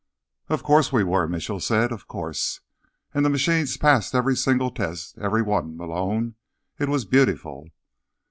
"Of course we were," Mitchell said. "Of course. And the machines passed every single test. Every one. Malone, it was beautiful."